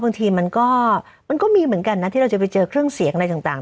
บางทีมันก็มีเหมือนกันนะที่เราจะไปเจอเครื่องเสียงอะไรต่าง